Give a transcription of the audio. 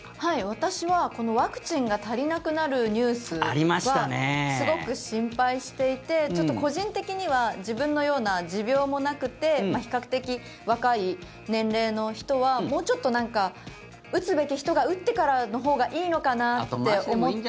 私はワクチンが足りなくなるニュースはすごく心配していてちょっと個人的には自分のような持病もなくて比較的若い年齢の人はもうちょっと打つべき人が打ってからのほうがいいのかなって思って。